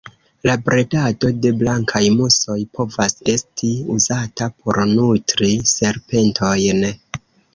La bredado de blankaj musoj povas esti uzata por nutri serpentojn.